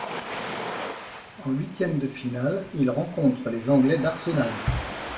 En huitièmes de finale, ils rencontrent les Anglais d'Arsenal.